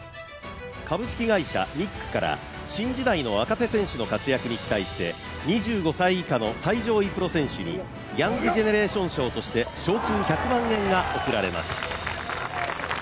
株式会社ミックから、新時代の若手選手の活躍に期待して、２５歳以下の最上位プロ選手にヤングジェネレーション賞として賞金１００万円が贈られます。